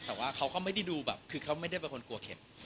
แต่ว่าเขาไม่ได้ดูแบบไม่ใช่กลัวเข็ม